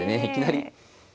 いきなり。